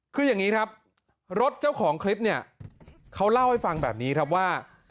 คืออย่างนี้ครับรถเจ้าของคลิปเนี่ยเขาเล่าให้ฟังแบบนี้ครับว่า